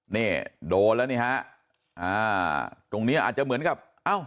เนี่ยโดนแล้วเนี่ยฮะตรงนี้อาจจะเหมือนกับ